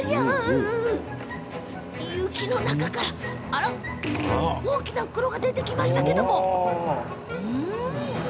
雪の中から大きな袋が出てきましたけども！